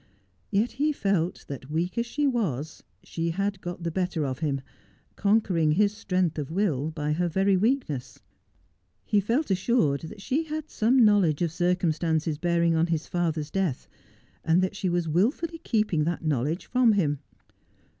Yet he felt that, weak as she was, she had got the better of him, conquering his strength of will by her very weakness. He felt assured that she had some knowledge of circumstances bearing on his father's death, and that she was wilfully keeping that know ledge from him.